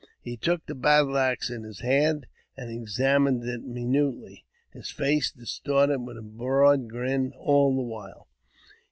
He took the battle axe in his hand, and examined it minutely, his face distorted with a broad grin all the while.